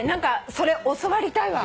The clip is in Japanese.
それ教わりたいわ。